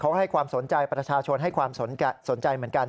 เขาให้ความสนใจประชาชนให้ความสนใจเหมือนกัน